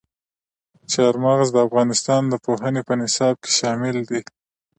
چار مغز د افغانستان د پوهنې په نصاب کې شامل دي.